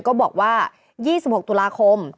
ก็บอกว่า๒๖ตุลาคม